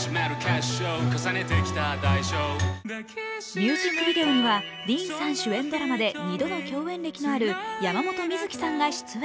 ミュージックビデオには、ＤＥＡＮさん主演ドラマで２度の共演歴のある山本美月さんが出演。